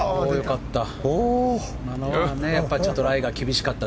良かった。